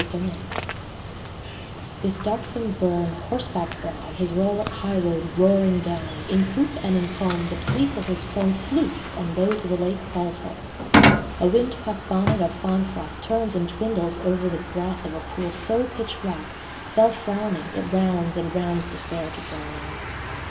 Inversnaid THIS darksome burn, horseback brown, His rollrock highroad roaring down, In coop and in comb the fleece of his foamFlutes and low to the lake falls home.A windpuff bonnet of fáwn fróthTurns and twindles over the brothOf a pool so pitchblack, féll frówning, It rounds and rounds Despair to drowning.